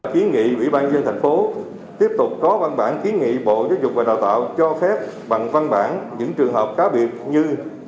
kiến nghị quỹ ban dân thành phố tiếp tục có văn bản kiến nghị bộ giáo dục và đào tạo cho phép bằng văn bản những trường hợp cá biệt như